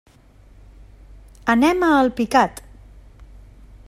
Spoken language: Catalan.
Anem a Alpicat.